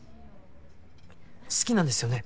好きなんですよね